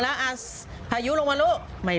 ตัวใหญ่กว่าพี่